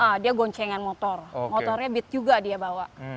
iya dia goncengan motor motornya beat juga dia bawa